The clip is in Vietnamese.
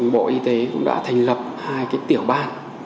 bộ y tế cũng đã thành lập hai tiểu ban